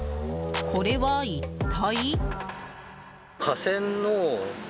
これは一体？